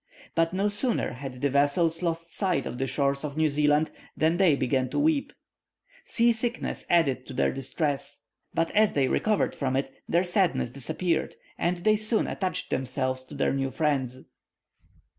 But no sooner had the vessels lost sight of the shores of New Zealand than they began to weep. Sea sickness added to their distress. But as they recovered from it their sadness disappeared, and they soon attached themselves to their new friends.